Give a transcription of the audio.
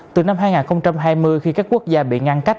từ năm hai nghìn hai mươi khi các quốc gia bị ngăn cách